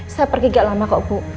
saya pergi gak lama kok bu